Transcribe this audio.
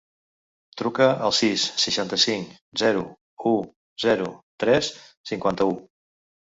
Truca al sis, seixanta-cinc, zero, u, zero, tres, cinquanta-u.